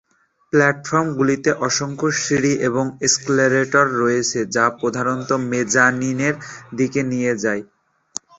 প্ল্যাটফর্মগুলিতে অসংখ্য সিঁড়ি এবং এস্কেলেটর রয়েছে যা প্রধান মেজ্জানিনের দিকে নিয়ে যায়।